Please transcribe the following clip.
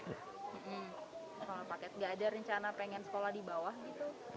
gak ada rencana pengen sekolah di bawah gitu